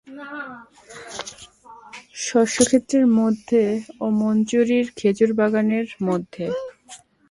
শস্যক্ষেত্রের মধ্যে ও মঞ্জরিত খেজুর বাগানের মধ্যে?